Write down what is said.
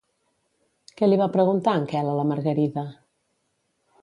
Què li va preguntar en Quel a la Margarida?